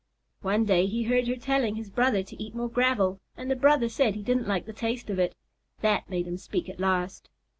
One day he heard her telling his brother to eat more gravel, and the brother said he didn't like the taste of it. That made him speak at last.